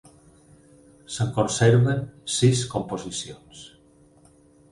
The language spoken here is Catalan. Se'n conserven sis composicions.